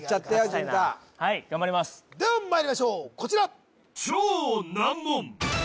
淳太はい頑張りますではまいりましょうこちら